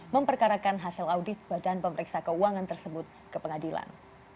memperkarakan hasil audit badan pemeriksa keuangan tersebut ke pengadilan